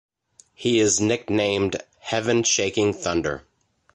He is nicknamed "Heaven Shaking Thunder".